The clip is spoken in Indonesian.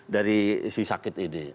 dari si sakit ini